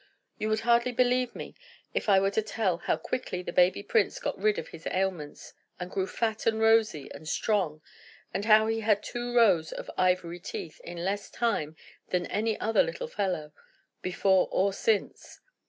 You would hardly believe me, if I were to tell how quickly the baby prince got rid of his ailments, and grew fat, and rosy, and strong, and how he had two rows of ivory teeth in less time than any other little fellow, before or since.